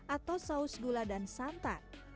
atau saus gula dan santan